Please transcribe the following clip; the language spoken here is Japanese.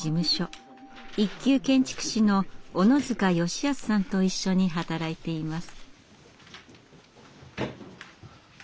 一級建築士の小野塚良康さんと一緒に働いています。